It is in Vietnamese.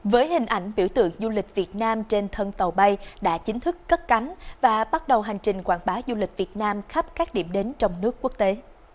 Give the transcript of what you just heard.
với hình ảnh biểu tượng du lịch việt nam trên thân tàu bay đã chính thức cất cánh và bắt đầu hành trình quảng bá du lịch việt nam khắp các điểm đến trong nước quốc tế